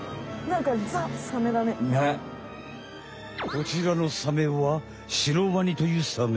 こちらのサメはシロワニというサメ。